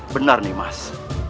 benar nih mas